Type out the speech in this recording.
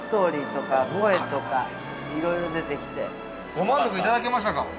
◆ご満足いただけましたか。